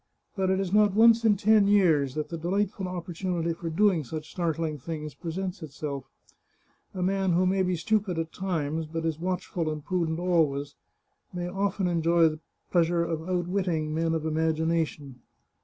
But it is not once in ten years that the delightful opportunity for doing such startling things presents itself. A man who may be stupid at times, but is watchful and prudent always, may often enjoy the pleasure of outwitting men of imagina tion.